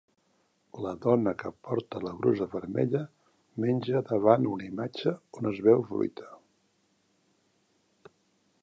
La dona que porta la brusa vermella menja davant una imatge on es veu fruita.